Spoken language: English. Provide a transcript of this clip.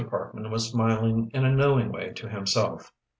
Parkman was smiling in a knowing way to himself.